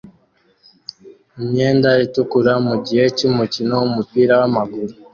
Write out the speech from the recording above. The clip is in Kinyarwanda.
imyenda itukura mu gihe cy'umukino w'umupira w'amaguru